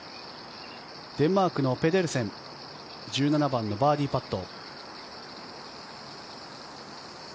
デンマークのペデルセン１７番のバーディーパット。